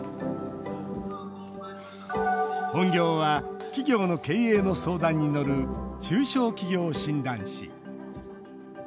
本業は、企業の経営の相談に乗る中小企業診断士。